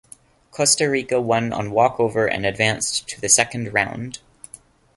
Costa Rica won on walkover and advanced to the second round.